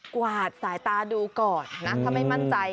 กวาดสายตาดูก่อนนะถ้าไม่มั่นใจ